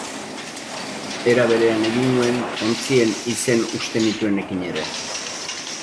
Era berean egin nuen ontzien izen uste nituenekin ere.